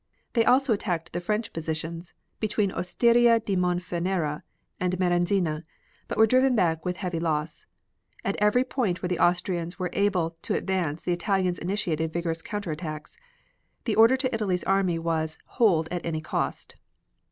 They also attacked the French positions between Osteria di Monfenera and Maranzine, but were driven back with heavy loss. At every point where the Austrians were able to advance the Italians initiated vigorous counter attacks. The order to Italy's army was, "Hold at any cost."